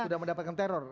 sudah mendapatkan teror